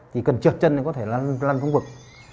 thì cần trượt chân thì có thể lăn vùng vực